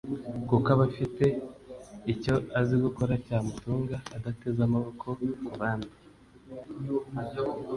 kuko aba afite icyo azi gukora cyamutunga adateze amaboko ku bandi